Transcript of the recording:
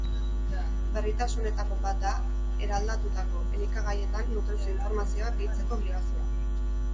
Berritasunetako bat da eraldatutako elikagaietan nutrizio-informazioa gehitzeko obligazioa.